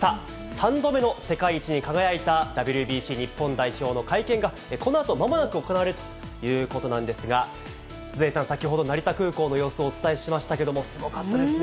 ３度目の世界一に輝いた、ＷＢＣ日本代表の会見がこのあと、まもなく行われるということなんですが、鈴江さん、先ほど成田空港の様子をお伝えしましたけども、すごかったですね。